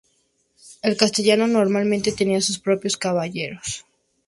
El castellano normalmente tenía sus propios caballeros.